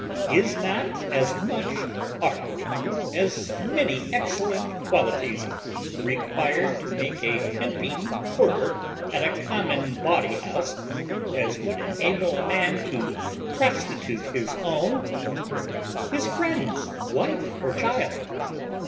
Is not as much art, as many excellent qualities, required to make a pimping porter at a common bawdy house as would enable a man to prostitute his own or his friend's wife or child?